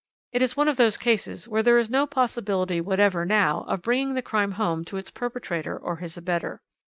It is one of those cases where there is no possibility whatever now of bringing the crime home to its perpetrator or his abettor.